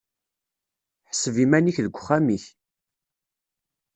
Ḥseb iman-ik deg uxxam-ik.